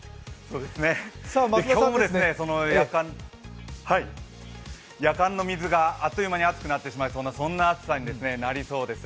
今日もやかんの水があっという間に熱くなってしまうような暑さになりそうです。